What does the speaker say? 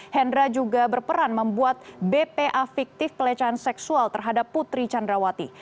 hendra juga berperan membuat bpa fiktif pelecehan seksual terhadap putri candrawati